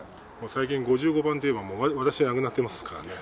最近５５番といえば、私じゃなくなってますからね。